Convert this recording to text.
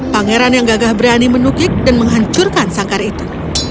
pangeran yang gagah berani menukik dan menghancurkan sangkar itu